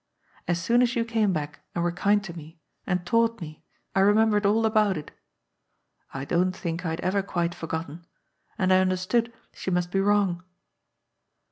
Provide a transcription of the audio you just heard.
As soon as you came back and were kind to me and taught me, I remembered all about itj I don't think I had ever quite forgotten — ^and I understood she must be wrong.